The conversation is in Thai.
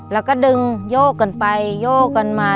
แล้วก็ดึงโยกกันไปโยกกันมา